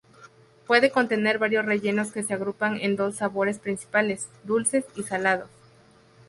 Puede contener varios rellenos que se agrupan en dos sabores principales: dulces y salados.